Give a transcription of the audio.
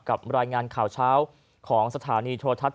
รายงานข่าวเช้าของสถานีโทรทัศน